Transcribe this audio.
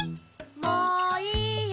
・もういいよ。